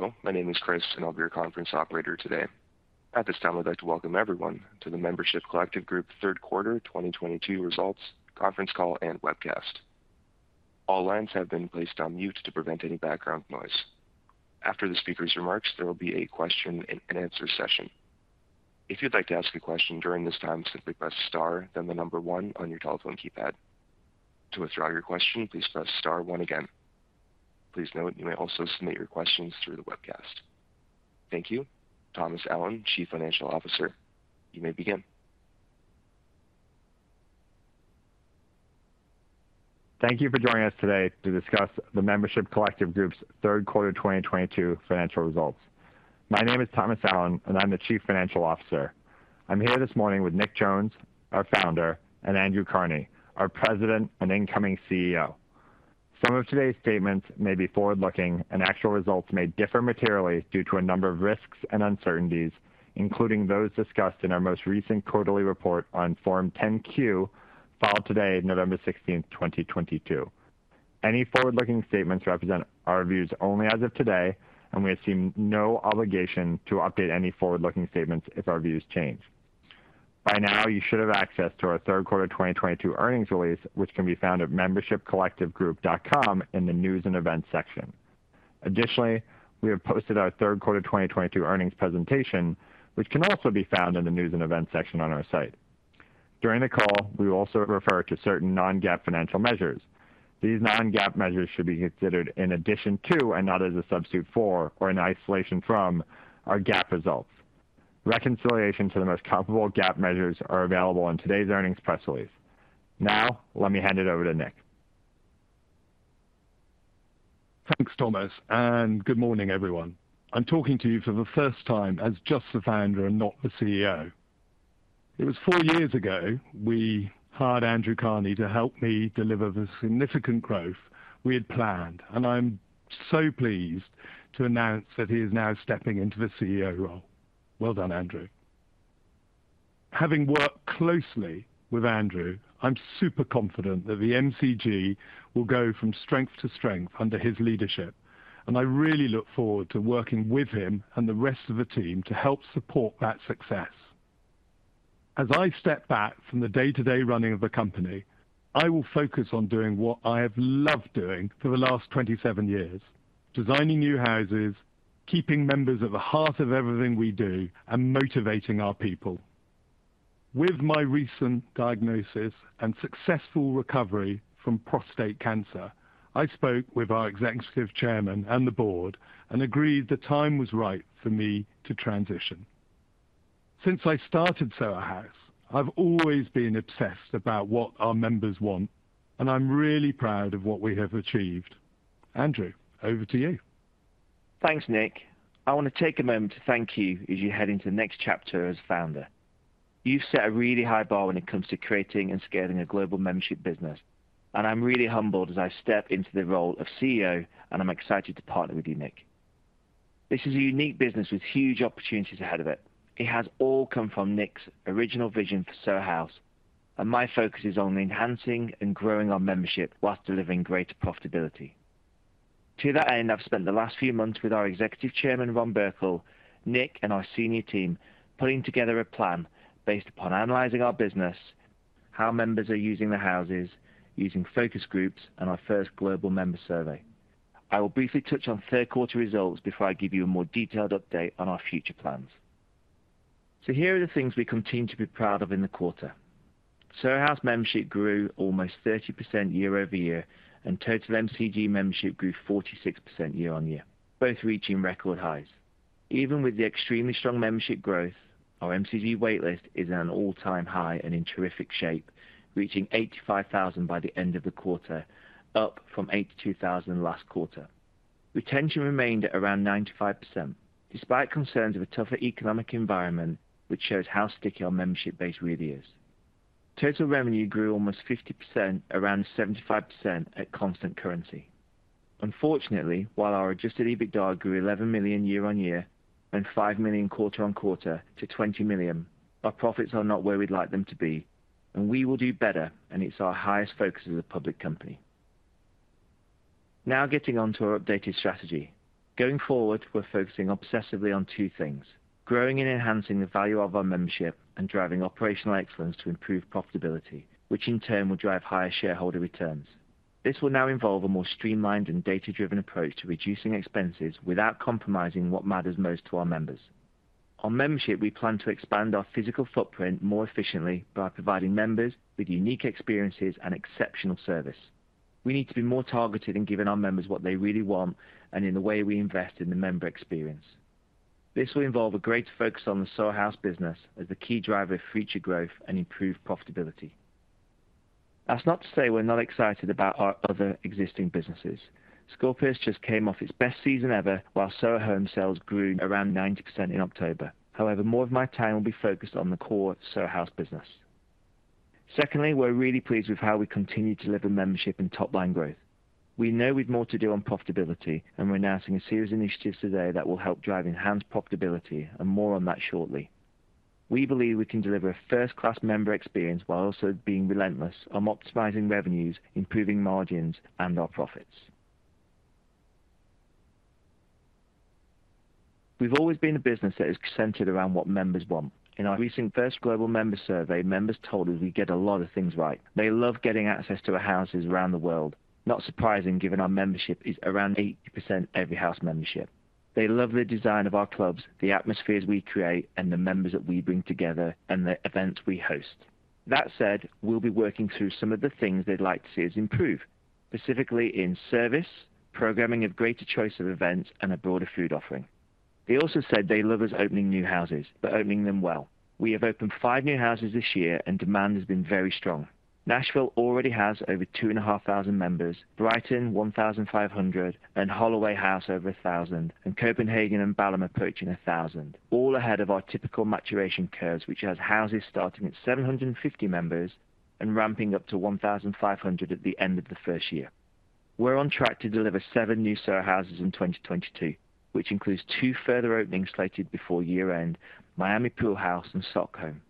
Hello, my name is Chris, and I'll be your conference operator today. At this time, I'd like to welcome everyone to the Membership Collective Group Q3 2022 results conference call and webcast. All lines have been placed on mute to prevent any background noise. After the speaker's remarks, there will be a question and answer session. If you'd like to ask a question during this time, simply press star then the number one on your telephone keypad. To withdraw your question, please press star one again. Please note you may also submit your questions through the webcast. Thank you. Thomas Allen, Chief Financial Officer, you may begin. Thank you for joining us today to discuss the Membership Collective Group's Q3 2022 financial results. My name is Thomas Allen, and I'm the Chief Financial Officer. I'm here this morning with Nick Jones, our founder, and Andrew Carnie, our President and incoming CEO. Some of today's statements may be forward-looking, and actual results may differ materially due to a number of risks and uncertainties, including those discussed in our most recent quarterly report on Form 10-Q filed today, November 16, 2022. Any forward-looking statements represent our views only as of today, and we assume no obligation to update any forward-looking statements if our views change. By now, you should have access to our Q3 2022 earnings release, which can be found at membershipcollectivegroup.com in the News and Events section. Additionally, we have posted our Q3 2022 earnings presentation, which can also be found in the News and Events section on our site. During the call, we will also refer to certain non-GAAP financial measures. These non-GAAP measures should be considered in addition to and not as a substitute for or in isolation from our GAAP results. Reconciliation to the most comparable GAAP measures are available on today's earnings press release. Now let me hand it over to Nick. Thanks, Thomas, and good morning, everyone. I'm talking to you for the first time as just the founder and not the CEO. It was 4 years ago we hired Andrew Carnie to help me deliver the significant growth we had planned, and I'm so pleased to announce that he is now stepping into the CEO role. Well done, Andrew. Having worked closely with Andrew, I'm super confident that the MCG will go from strength to strength under his leadership, and I really look forward to working with him and the rest of the team to help support that success. As I step back from the day-to-day running of the company, I will focus on doing what I have loved doing for the last 27 years, designing new houses, keeping members at the heart of everything we do, and motivating our people. With my recent diagnosis and successful recovery from prostate cancer, I spoke with our executive chairman and the board and agreed the time was right for me to transition. Since I started Soho House, I've always been obsessed about what our members want, and I'm really proud of what we have achieved. Andrew, over to you. Thanks, Nick. I want to take a moment to thank you as you head into the next chapter as founder. You've set a really high bar when it comes to creating and scaling a global membership business, and I'm really humbled as I step into the role of CEO, and I'm excited to partner with you, Nick. This is a unique business with huge opportunities ahead of it. It has all come from Nick's original vision for Soho House, and my focus is on enhancing and growing our Membership while delivering greater profitability. To that end, I've spent the last few months with our Executive Chairman, Ron Burkle, Nick, and our senior team, putting together a plan based upon analyzing our business, how members are using the Houses, using focus groups, and our first global member survey. I will briefly touch on Q3 results before I give you a more detailed update on our future plans. Here are the things we continue to be proud of in the quarter. Soho House membership grew almost 30% year-over-year, and total MCG membership grew 46% year-over-year, both reaching record highs. Even with the extremely strong membership growth, our MCG wait list is at an all-time high and in terrific shape, reaching 85,000 by the end of the quarter, up from 82,000 last quarter. Retention remained at around 95% despite concerns of a tougher economic environment which shows how sticky our membership base really is. Total revenue grew almost 50%, around 75% at constant currency. Unfortunately, while our Adjusted EBITDA grew 11 million year-over-year and 5 million quarter-over-quarter to 20 million, our profits are not where we'd like them to be, and we will do better, and it's our highest focus as a public company. Now getting on to our updated strategy. Going forward, we're focusing obsessively on two things, growing and enhancing the value of our membership and driving operational excellence to improve profitability, which in turn will drive higher shareholder returns. This will now involve a more streamlined and data-driven approach to reducing expenses without compromising what matters most to our members. On membership, we plan to expand our physical footprint more efficiently by providing members with unique experiences and exceptional service. We need to be more targeted in giving our members what they really want and in the way we invest in the member experience. This will involve a greater focus on the Soho House business as the key driver of future growth and improved profitability. That's not to say we're not excited about our other existing businesses. Scorpios just came off its best season ever while Soho Home sales grew around 90% in October. However, more of my time will be focused on the core Soho House business. Secondly, we're really pleased with how we continue to deliver membership and top-line growth. We know we've more to do on profitability, and we're announcing a series of initiatives today that will help drive enhanced profitability, and more on that shortly. We believe we can deliver a first-class member experience while also being relentless on optimizing revenues, improving margins and our profits. We've always been a business that is centered around what members want. In our recent first global member survey, members told us we get a lot of things right. They love getting access to our houses around the world. Not surprising, given our membership is around 80% Every House membership. They love the design of our clubs, the atmospheres we create, and the members that we bring together and the events we host. That said, we'll be working through some of the things they'd like to see us improve, specifically in service, programming of greater choice of events and a broader food offering. They also said they love us opening new houses, but opening them well. We have opened 5 new houses this year and demand has been very strong. Nashville already has over 2,500 members, Brighton 1,500 and Holloway House over 1,000, and Copenhagen and Balham approaching 1,000, all ahead of our typical maturation curves, which has houses starting at 750 members and ramping up to 1,500 at the end of the first year. We're on track to deliver 7 new Soho Houses in 2022, which includes 2 further openings slated before year-end, Miami Pool House and Stockholm.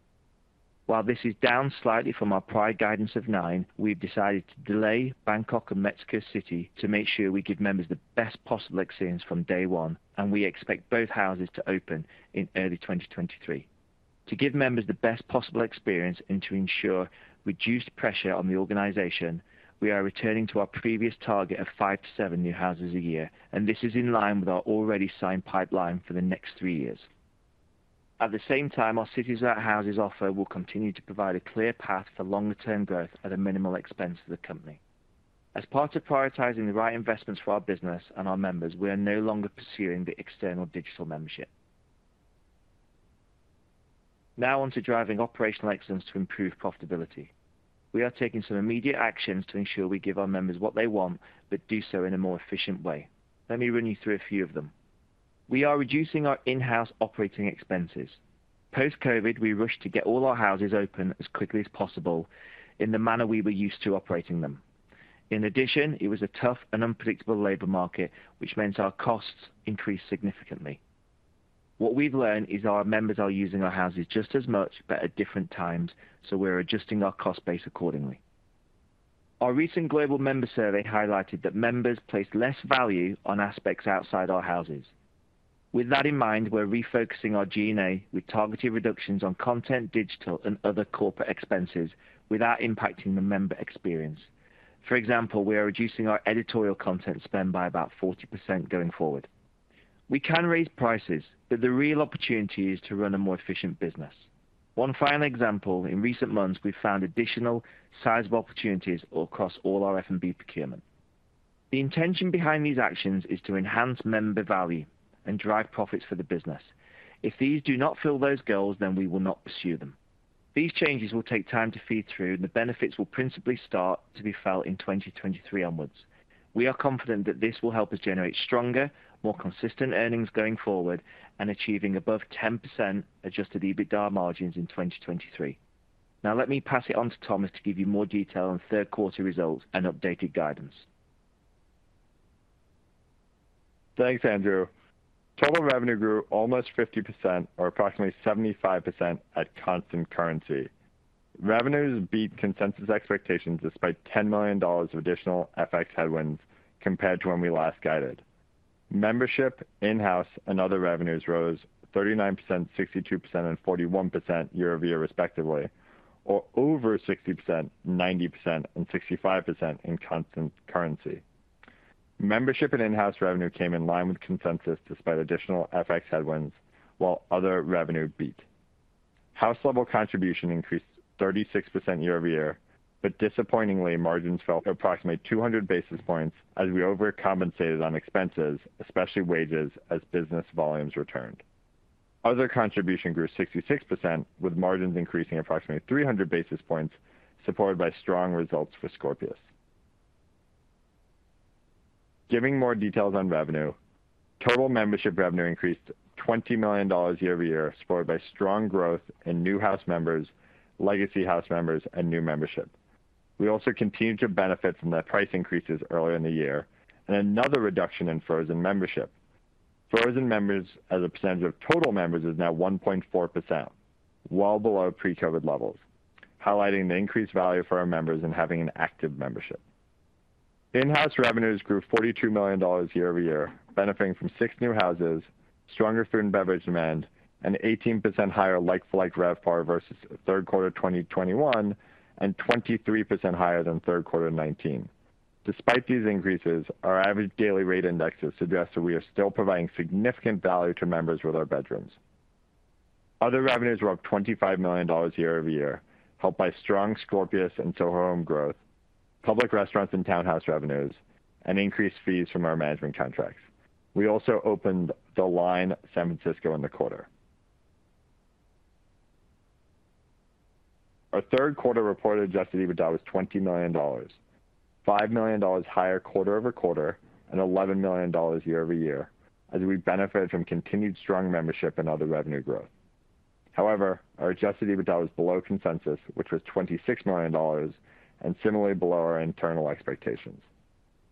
While this is down slightly from our prior guidance of 9, we've decided to delay Bangkok and Mexico City to make sure we give members the best possible experience from day one, and we expect both houses to open in early 2023. To give members the best possible experience and to ensure reduced pressure on the organization, we are returning to our previous target of five to seven new houses a year, and this is in line with our already signed pipeline for the next three years. At the same time, our Cities Without Houses offer will continue to provide a clear path for longer term growth at a minimal expense to the company. As part of prioritizing the right investments for our business and our members, we are no longer pursuing the external digital membership. Now on to driving operational excellence to improve profitability. We are taking some immediate actions to ensure we give our members what they want, but do so in a more efficient way. Let me run you through a few of them. We are reducing our in-house operating expenses. Post-COVID, we rushed to get all our Houses open as quickly as possible in the manner we were used to operating them. In addition, it was a tough and unpredictable labor market, which meant our costs increased significantly. What we've learned is our members are using our Houses just as much, but at different times, so we're adjusting our cost base accordingly. Our recent global member survey highlighted that members place less value on aspects outside our Houses. With that in mind, we're refocusing our G&A with targeted reductions on content, digital and other corporate expenses without impacting the member experience. For example, we are reducing our editorial content spend by about 40% going forward. We can raise prices, but the real opportunity is to run a more efficient business. One final example, in recent months, we've found additional sizable opportunities across all our F&B procurement. The intention behind these actions is to enhance member value and drive profits for the business. If these do not fill those goals, then we will not pursue them. These changes will take time to feed through and the benefits will principally start to be felt in 2023 onwards. We are confident that this will help us generate stronger, more consistent earnings going forward and achieving above 10% Adjusted EBITDA margins in 2023. Now let me pass it on to Thomas to give you more detail on Q3 results and updated guidance. Thanks, Andrew. Total revenue grew almost 50% or approximately 75% at constant currency. Revenues beat consensus expectations despite $10 million of additional FX headwinds compared to when we last guided. Membership, in-house and other revenues rose 39%, 62% and 41% year-over-year respectively, or over 60%, 90% and 65% in constant currency. Membership and in-house revenue came in line with consensus despite additional FX headwinds, while other revenue beat. House level contribution increased 36% year-over-year, but disappointingly margins fell to approximately 200 basis points as we overcompensated on expenses, especially wages, as business volumes returned. Other contribution grew 66%, with margins increasing approximately 300 basis points, supported by strong results for Scorpios. Giving more details on revenue. Total membership revenue increased $20 million year-over-year, supported by strong growth in new house members, legacy house members and new membership. We also continue to benefit from the price increases earlier in the year and another reduction in frozen membership. Frozen members as a percentage of total members is now 1.4%, well below pre-Covid levels, highlighting the increased value for our members in having an active membership. In-house revenues grew $42 million year-over-year, benefiting from 6 new houses, stronger food and beverage demand, and 18% higher like-for-like RevPAR versus Q3 2021 and 23% higher than Q3 2019. Despite these increases, our average daily rate indexes suggest that we are still providing significant value to members with our bedrooms. Other revenues were up $25 million year-over-year, helped by strong Scorpios and Soho Home growth, public restaurants and townhouse revenues, and increased fees from our management contracts. We also opened The LINE San Francisco in the quarter. Our Q3 reported Adjusted EBITDA was $20 million, $5 million higher quarter-over-quarter and $11 million year-over-year as we benefited from continued strong membership and other revenue growth. However, our Adjusted EBITDA was below consensus, which was $26 million and similarly below our internal expectations.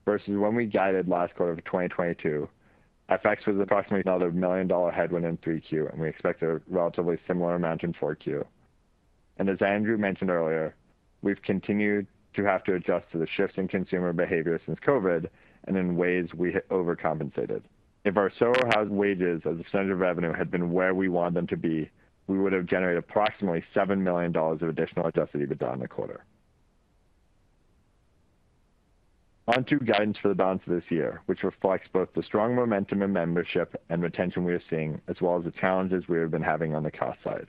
Versus when we guided last quarter of 2022, FX was approximately another $1 million headwind in 3Q, and we expect a relatively similar amount in 4Q. As Andrew mentioned earlier, we've continued to have to adjust to the shift in consumer behavior since COVID and in ways we overcompensated. If our Soho House wages as a % of revenue had been where we want them to be, we would have generated approximately $7 million of additional adjusted EBITDA in the quarter. On to guidance for the balance of this year, which reflects both the strong momentum in membership and retention we are seeing, as well as the challenges we have been having on the cost side.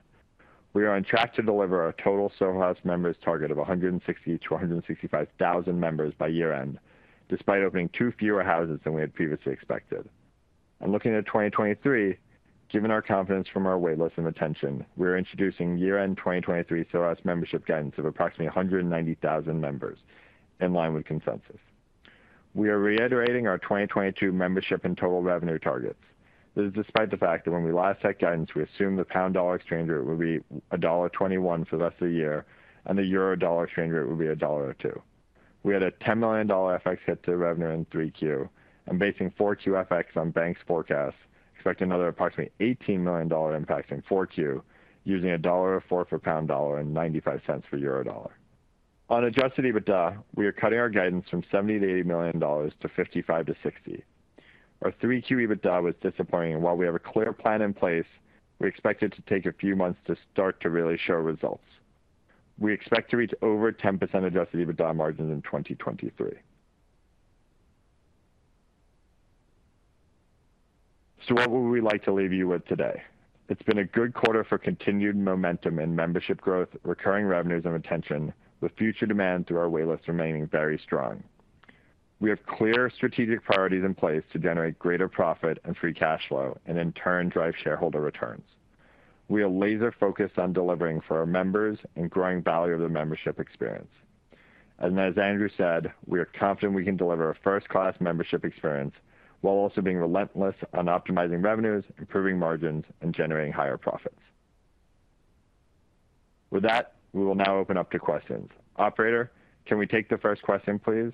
We are on track to deliver our total Soho House members target of 160,000-165,000 members by year-end, despite opening 2 fewer houses than we had previously expected. Looking at 2023, given our confidence from our wait list and retention, we are introducing year-end 2023 Soho House membership guidance of approximately 190,000 members in line with consensus. We are reiterating our 2022 membership and total revenue targets. This is despite the fact that when we last set guidance, we assumed the pound-dollar exchange rate would be $1.21 for the rest of the year, and the euro-dollar exchange rate would be $1.02. We had a $10 million FX hit to revenue in 3Q, and basing 4Q FX on banks' forecasts, expect another approximately $18 million impact in 4Q using $1.04 for pound-dollar and $0.95 for euro-dollar. On Adjusted EBITDA, we are cutting our guidance from $70 million-$80 million to $55 million-$60 million. Our 3Q EBITDA was disappointing, and while we have a clear plan in place, we expect it to take a few months to start to really show results. We expect to reach over 10% adjusted EBITDA margins in 2023. What would we like to leave you with today? It's been a good quarter for continued momentum in membership growth, recurring revenues and retention, with future demand through our wait list remaining very strong. We have clear strategic priorities in place to generate greater profit and free cash flow and in turn, drive shareholder returns. We are laser focused on delivering for our members and growing value of the membership experience. As Andrew said, we are confident we can deliver a first-class membership experience while also being relentless on optimizing revenues, improving margins, and generating higher profits. With that, we will now open up to questions. Operator, can we take the first question, please?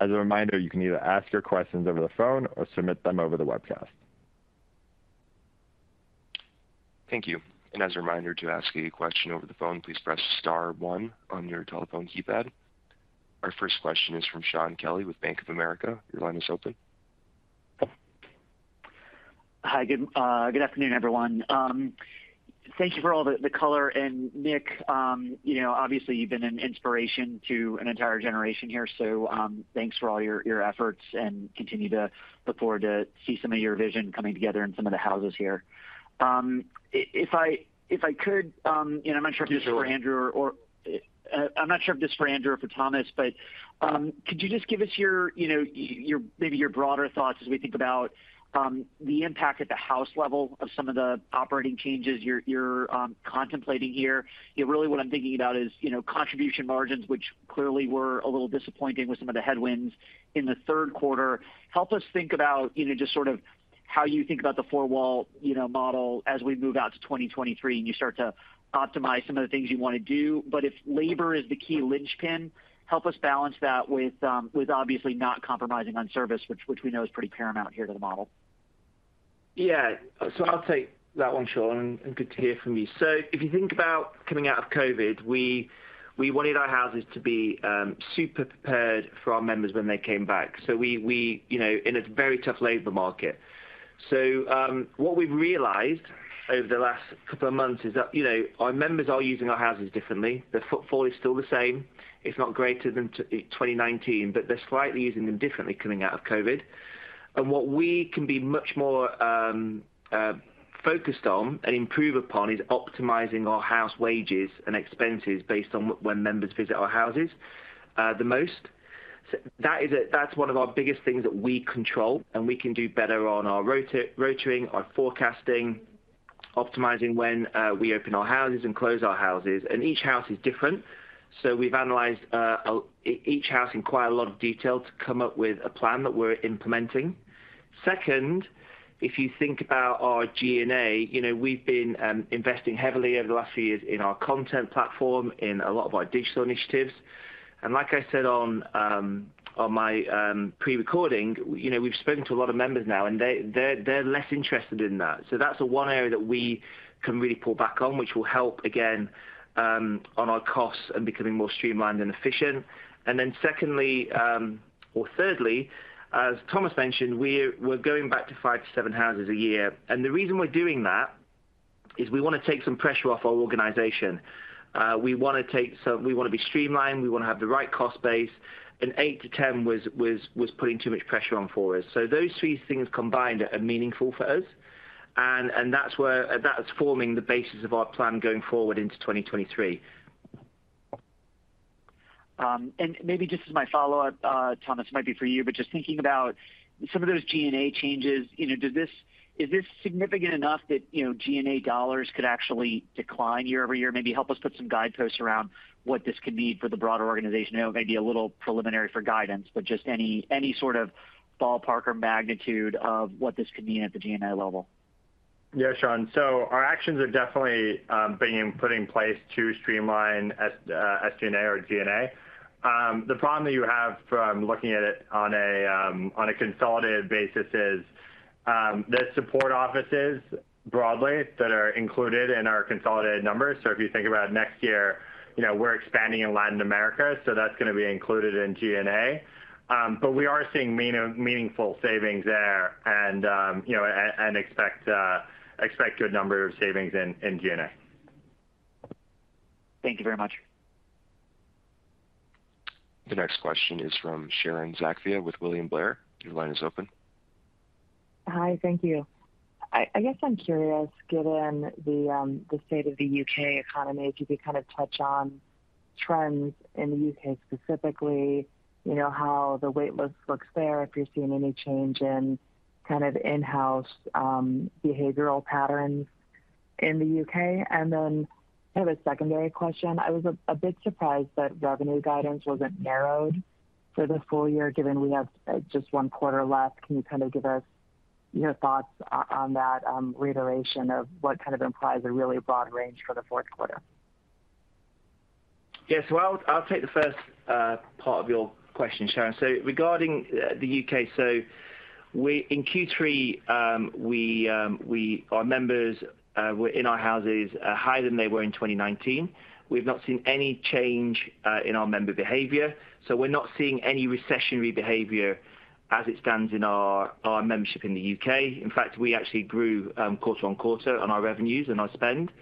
As a reminder, you can either ask your questions over the phone or submit them over the webcast. Thank you. As a reminder to ask a question over the phone, please press star one on your telephone keypad. Our first question is from Shaun Kelley with Bank of America. Your line is open. Hi. Good afternoon, everyone. Thank you for all the color. Nick, you know, obviously you've been an inspiration to an entire generation here, so thanks for all your efforts and continue to look forward to see some of your vision coming together in some of the houses here. If I could, you know, I'm not sure if this is for Andrew or for Thomas, but could you just give us your, you know, your broader thoughts as we think about the impact at the House level of some of the operating changes you're contemplating here. You know, really what I'm thinking about is, you know, contribution margins, which clearly were a little disappointing with some of the headwinds in the Q3. Help us think about, you know, just sort of how you think about the four-wall, you know, model as we move out to 2023, and you start to optimize some of the things you wanna do. If labor is the key linchpin, help us balance that with obviously not compromising on service, which we know is pretty paramount here to the model. Yeah. I'll take that one, Shaun, and good to hear from you. If you think about coming out of COVID, we wanted our houses to be super prepared for our members when they came back, so we you know, in a very tough labor market. What we've realized over the last couple of months is that you know, our members are using our houses differently. The footfall is still the same. It's not greater than 2019, but they're slightly using them differently coming out of COVID. What we can be much more focused on and improve upon is optimizing our house wages and expenses based on when members visit our houses the most. That's one of our biggest things that we control, and we can do better on our rota rotation, our forecasting, optimizing when we open our houses and close our houses. Each house is different. We've analyzed each house in quite a lot of detail to come up with a plan that we're implementing. Second, if you think about our G&A, you know, we've been investing heavily over the last few years in our content platform, in a lot of our digital initiatives. Like I said on my prepared remarks, you know, we've spoken to a lot of members now, and they're less interested in that. That's the one area that we can really pull back on, which will help again on our costs and becoming more streamlined and efficient. Then secondly, or thirdly, as Thomas mentioned, we're going back to 5-7 houses a year. The reason we're doing that is we wanna take some pressure off our organization. We wanna be streamlined, we wanna have the right cost base, and 8-10 was putting too much pressure on for us. Those three things combined are meaningful for us and that's where that's forming the basis of our plan going forward into 2023. Maybe just as my follow-up, Thomas, might be for you, but just thinking about some of those G&A changes, you know, is this significant enough that, you know, G&A dollars could actually decline year over year? Maybe help us put some guideposts around what this could mean for the broader organization. I know it may be a little preliminary for guidance, but just any sort of ballpark or magnitude of what this could mean at the G&A level. Yeah, Shaun. Our actions are definitely being put in place to streamline SG&A or G&A. The problem that you have from looking at it on a consolidated basis is there are support offices broadly that are included in our consolidated numbers. If you think about next year, you know, we're expanding in Latin America, so that's gonna be included in G&A. But we are seeing meaningful savings there and, you know, and expect good number of savings in G&A. Thank you very much. The next question is from Sharon Zackfia with William Blair. Your line is open. Hi. Thank you. I guess I'm curious, given the state of the UK economy, if you could kind of touch on trends in the UK specifically, you know, how the wait list looks there, if you're seeing any change in kind of in-house behavioral patterns in the UK. Then I have a secondary question. I was a bit surprised that revenue guidance wasn't narrowed for the full year, given we have just one quarter left. Can you kind of give us your thoughts on that reiteration of what kind of implies a really broad range for the fourth quarter? I'll take the first part of your question, Sharon. Regarding the U.K., in Q3, our members were in our Houses higher than they were in 2019. We've not seen any change in our member behavior, so we're not seeing any recessionary behavior as it stands in our membership in the U.K. In fact, we actually grew quarter-on-quarter on our revenues and our spend.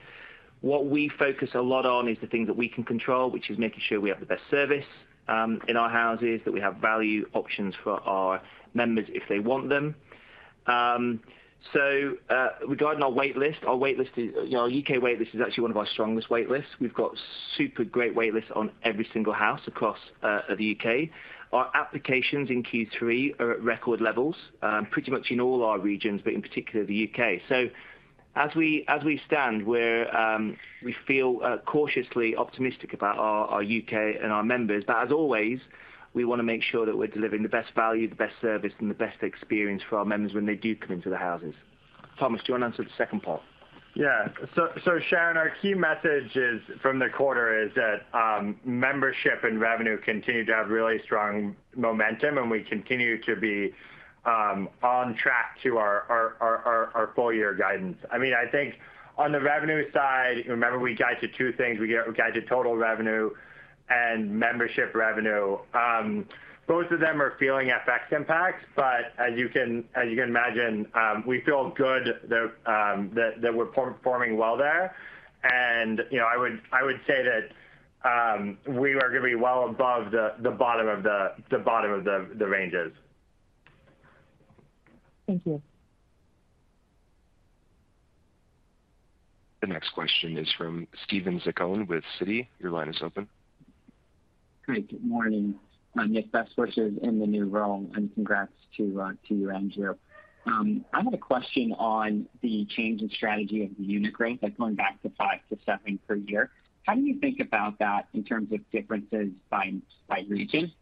What we focus a lot on is the things that we can control, which is making sure we have the best service in our Houses, that we have value options for our members if they want them. Regarding our wait list, our wait list is, you know, our U.K. wait list is actually one of our strongest wait lists. We've got super great wait lists on every single house across the U.K. Our applications in Q3 are at record levels, pretty much in all our regions, but in particular the U.K. As we stand, we feel cautiously optimistic about our U.K. and our members. As always, we wanna make sure that we're delivering the best value, the best service, and the best experience for our members when they do come into the houses. Thomas, do you wanna answer the second part? Sharon, our key message from the quarter is that membership and revenue continue to have really strong momentum, and we continue to be on track to our full year guidance. I mean, I think on the revenue side, remember we guide to two things. We guide to total revenue and membership revenue. Both of them are feeling FX impacts, but as you can imagine, we feel good that we're performing well there. You know, I would say that we are gonna be well above the bottom of the ranges. Thank you. The next question is from Steven Zaccone with Citi. Your line is open. Great, good morning. Nick, best wishes in the new role, and congrats to you and Jill. I had a question on the change in strategy of the unit growth, like going back to 5-7 per year. How do you think about that in terms of differences by region?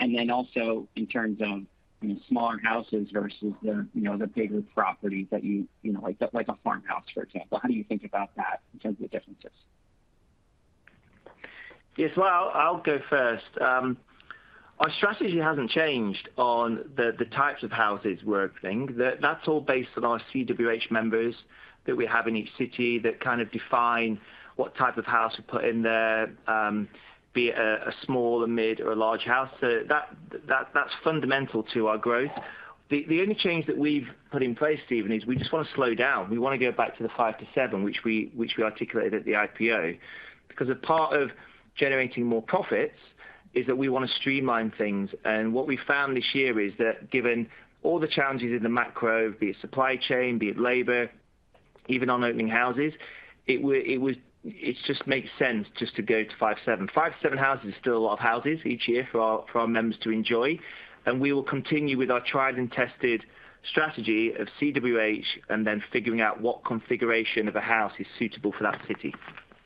And then also in terms of, you know, smaller houses versus the, you know, the bigger properties that you know, like a farmhouse, for example. How do you think about that in terms of the differences? Yes. Well, I'll go first. Our strategy hasn't changed on the types of houses we're opening. That's all based on our CWH members that we have in each city that kind of define what type of house to put in there, be it a small, mid, or large house. That's fundamental to our growth. The only change that we've put in place, Steven, is we just wanna slow down. We wanna go back to the 5-7, which we articulated at the IPO. Because a part of generating more profits is that we wanna streamline things. What we found this year is that given all the challenges in the macro, be it supply chain, be it labor, even on opening houses, it just makes sense just to go to 5-7. 5-7 houses is still a lot of houses each year for our members to enjoy. We will continue with our tried and tested strategy of CWH and then figuring out what configuration of a house is suitable for that city.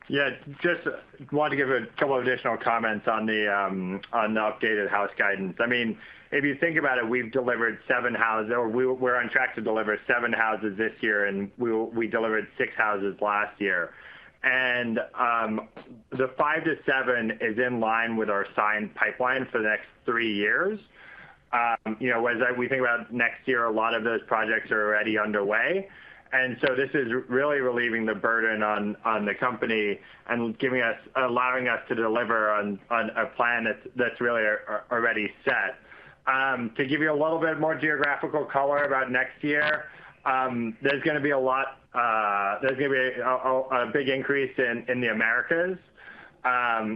Just want to give a couple additional comments on the updated House guidance. I mean, if you think about it, we're on track to deliver 7 Houses this year, and we delivered 6 Houses last year. The 5-7 is in line with our signed pipeline for the next 3 years. You know, we think about next year, a lot of those projects are already underway. This is really relieving the burden on the company and allowing us to deliver on a plan that's already set. To give you a little bit more geographic color about next year, there's gonna be a big increase in the Americas.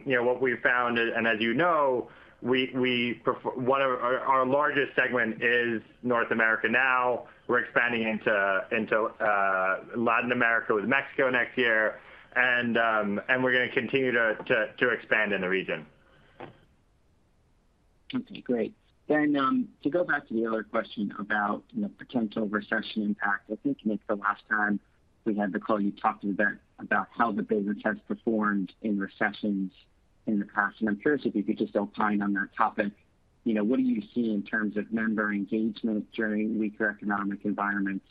You know what we've found. As you know, one of our largest segment is North America now. We're expanding into Latin America with Mexico next year, and we're gonna continue to expand in the region. Okay, great. To go back to the other question about, you know, potential recession impact. I think, Nick, the last time we had the call, you talked a bit about how the business has performed in recessions in the past. I'm curious if you could just update on that topic. You know, what do you see in terms of member engagement during weaker economic environments?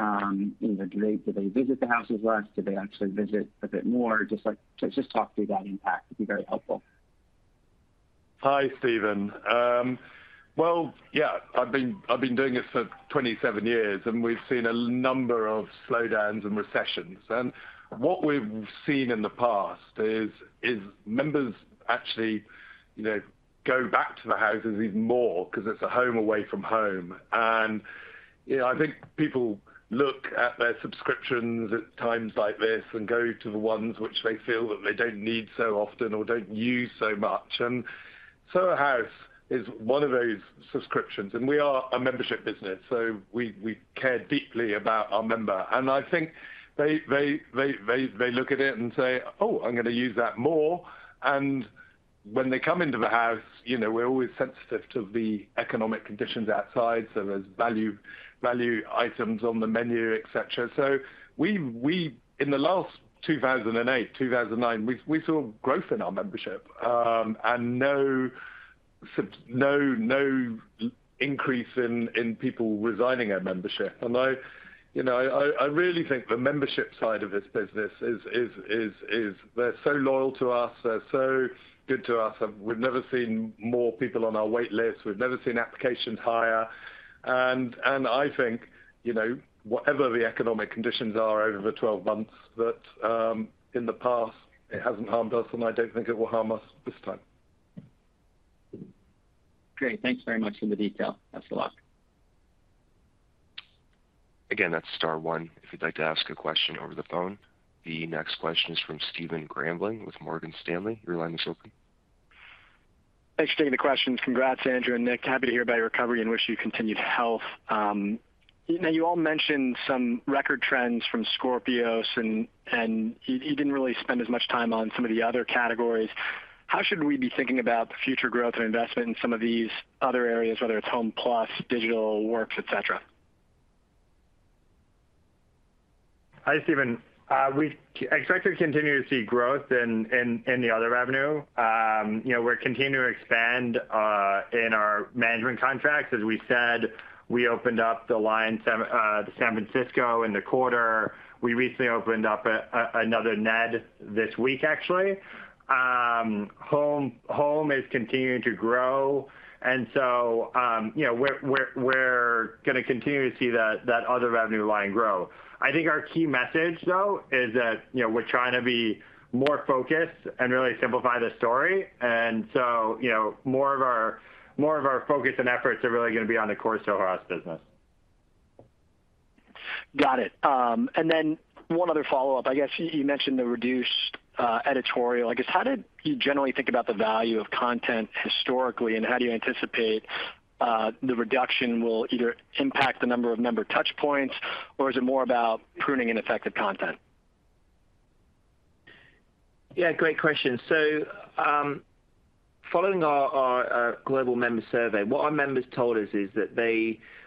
You know, do they visit the houses less? Do they actually visit a bit more? Just like, just talk through that impact. It'd be very helpful. Hi, Stephen. Well, yeah, I've been doing this for 27 years, and we've seen a number of slowdowns and recessions. What we've seen in the past is members actually, you know, go back to the houses even more because it's a home away from home. You know, I think people look at their subscriptions at times like this and go to the ones which they feel that they don't need so often or don't use so much. Soho House is one of those subscriptions, and we are a membership business, so we care deeply about our member. I think they look at it and say, "Oh, I'm gonna use that more." When they come into the house, you know, we're always sensitive to the economic conditions outside, so there's value items on the menu, et cetera. We in the last 2008, 2009, we saw growth in our membership, and no increase in people resigning our membership. I you know really think the membership side of this business is they're so loyal to us. They're so good to us, and we've never seen more people on our wait list. We've never seen applications higher. I think, you know, whatever the economic conditions are over the 12 months, that, in the past it hasn't harmed us, and I don't think it will harm us this time. Great. Thanks very much for the detail. Best of luck. Again, that's star one if you'd like to ask a question over the phone. The next question is from Stephen Grambling with Morgan Stanley. Your line is open. Thanks for taking the questions. Congrats, Andrew and Nick. Happy to hear about your recovery and wish you continued health. Now you all mentioned some record trends from Scorpios and you didn't really spend as much time on some of the other categories. How should we be thinking about the future growth and investment in some of these other areas, whether it's Home Plus, digital, Works, et cetera? Hi, Steven. We expect to continue to see growth in the other revenue. You know, we're continuing to expand in our management contracts. As we said, we opened up The LINE San Francisco in the quarter. We recently opened up another Ned this week actually. Home is continuing to grow. You know, we're gonna continue to see that other revenue line grow. I think our key message, though, is that, you know, we're trying to be more focused and really simplify the story. You know, more of our focus and efforts are really gonna be on the core Soho House business. Got it. One other follow-up. I guess you mentioned the reduced editorial. I guess how did you generally think about the value of content historically, and how do you anticipate the reduction will either impact the number of member touch points, or is it more about pruning ineffective content? Yeah, great question. Following our global member survey, what our members told us is that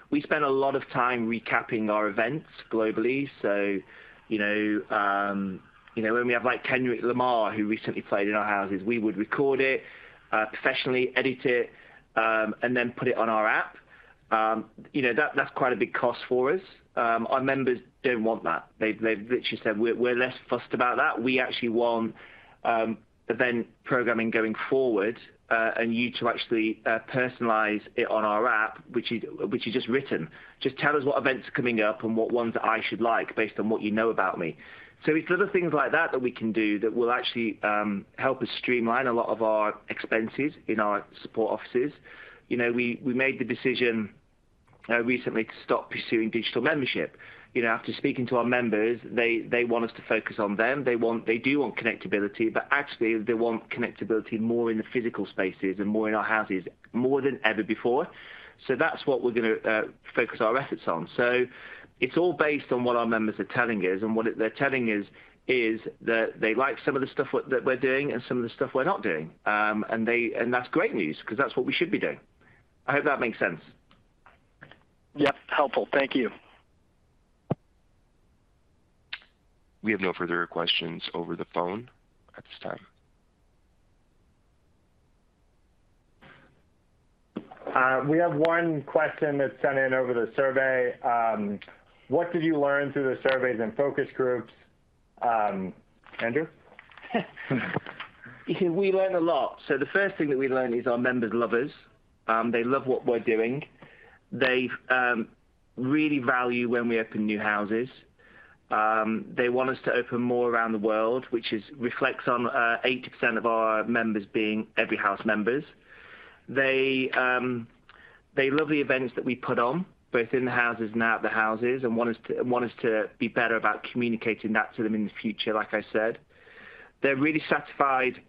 we spend a lot of time recapping our events globally. You know, when we have like Kendrick Lamar, who recently played in our houses, we would record it professionally, edit it, and then put it on our app. You know, that's quite a big cost for us. Our members don't want that. They've literally said, "We're less fussed about that. We actually want event programming going forward, and you to actually personalize it on our app, which is just written. Just tell us what events are coming up and what ones I should like based on what you know about me." It's little things like that that we can do that will actually help us streamline a lot of our expenses in our support offices. You know, we made the decision recently to stop pursuing digital membership. You know, after speaking to our members, they want us to focus on them. They do want connectivity, but actually they want connectivity more in the physical spaces and more in our houses more than ever before. That's what we're gonna focus our efforts on. It's all based on what our members are telling us, and what they're telling us is that they like some of the stuff that we're doing and some of the stuff we're not doing. That's great news because that's what we should be doing. I hope that makes sense. Yeah. Helpful. Thank you. We have no further questions over the phone at this time. We have one question that's sent in over the survey. What did you learn through the surveys and focus groups? Andrew? We learned a lot. The first thing that we learned is our members love us. They love what we're doing. They really value when we open new houses. They want us to open more around the world, which reflects on 80% of our members being Every House members. They love the events that we put on, both in the houses and outside the houses, and want us to be better about communicating that to them in the future, like I said. They're really satisfied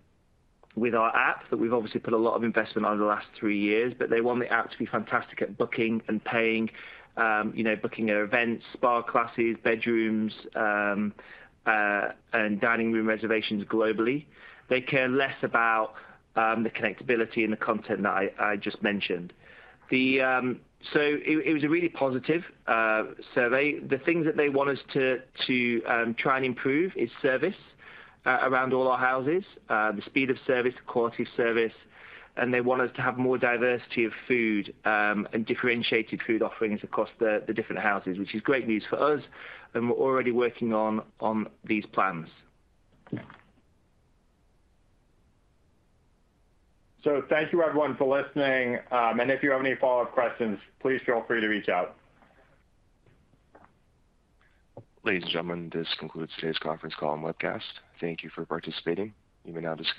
with our app that we've obviously put a lot of investment over the last three years, but they want the app to be fantastic at booking and paying, booking their events, spa classes, bedrooms, and dining room reservations globally. They care less about the connectability and the content that I just mentioned. It was a really positive survey. The things that they want us to try and improve is service around all our houses, the speed of service, the quality of service, and they want us to have more diversity of food and differentiated food offerings across the different houses, which is great news for us, and we're already working on these plans. Thank you everyone for listening. If you have any follow-up questions, please feel free to reach out. Ladies and gentlemen, this concludes today's conference call and webcast. Thank you for participating. You may now disconnect.